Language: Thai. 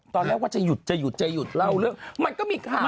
ตอนนี้จะหยุดจะหยุดมันก็มีค่า